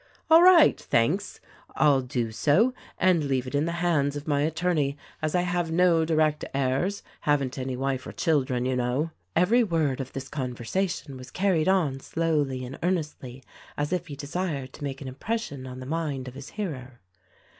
"All right! Thanks. I'll do so, and leave it in the hands of my attorney, as I have no direct heirs — haven't any wife or children, you know." Every word of this conversation was carried on slowly and earnestly as if he desired to make an impression on the mind of his hearer.